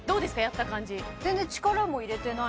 やった感じ